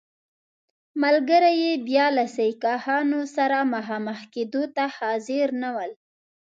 ملګري یې بیا له سیکهانو سره مخامخ کېدو ته حاضر نه ول.